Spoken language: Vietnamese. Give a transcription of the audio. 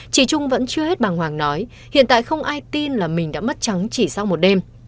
chị trung vẫn chưa hết bằng hoàng nói hiện tại không ai tin là mình đã mất trắng chỉ sau một đêm